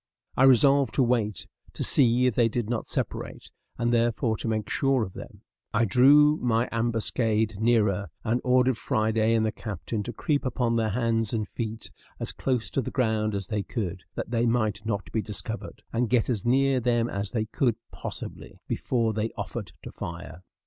I resolved to wait, to see if they did not separate; and therefore, to make sure of them, I drew my ambuscade nearer, and ordered Friday and the captain to creep upon their hands and feet, as close to the ground as they could, that they might not be discovered, and get as near them as they could possibly before they offered to fire.